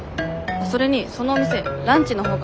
それにそのお店ランチのほうが。